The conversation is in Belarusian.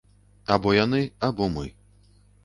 Або яны, або мы.